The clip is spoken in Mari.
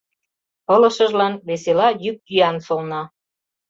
Пылышыжлан весела йӱк-йӱан солна.